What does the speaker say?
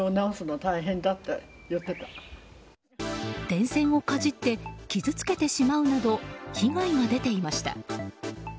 電線をかじって傷つけてしまうなど被害が出ていました。